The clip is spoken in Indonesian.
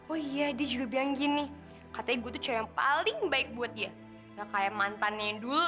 oh iya dia juga bilang gini katanya gue tuh yang paling baik buat dia gak kayak mantannya dulu